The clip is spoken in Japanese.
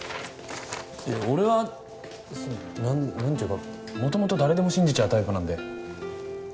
いや俺はそのなんていうか元々誰でも信じちゃうタイプなんで。